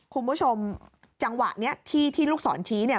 คุณผู้ชมจังหวะนี้ที่ที่ลูกศรชี้เนี่ย